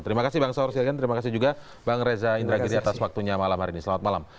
terima kasih bang saur silgan terima kasih juga bang reza indragiri atas waktunya malam hari ini selamat malam